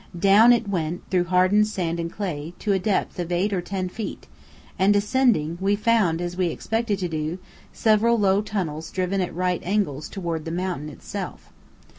Down it went through hardened sand and clay, to a depth of eight or ten feet; and descending, we found as we expected to do, several low tunnels driven at right angles toward the mountain itself.